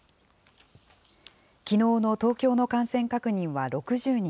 きのうの東京の感染確認は６０人。